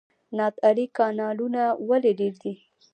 نادعلي کانالونه ولې ډیر دي؟